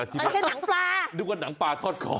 อันนี้เป็นหนังปลานึกว่าหนังปลาทอดกรอบ